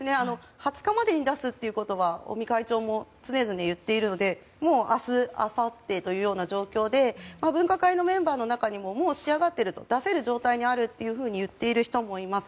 ２０日までに出すということは尾身会長も常々言っているのでもう明日、あさってというような状況で分科会のメンバーの中にも仕上がってると出せる状態にあると言っている人もいます。